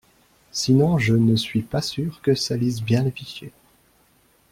sinon je ne suis pas sûr que ça lise bien les fichiers!